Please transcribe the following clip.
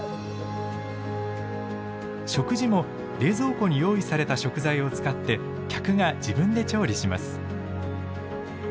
食事も冷蔵庫に用意された食材を使って客が自分で調理します。